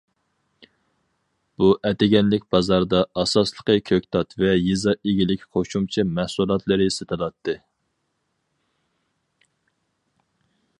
بۇ ئەتىگەنلىك بازاردا ئاساسلىقى كۆكتات ۋە يېزا ئىگىلىك قوشۇمچە مەھسۇلاتلىرى سېتىلاتتى.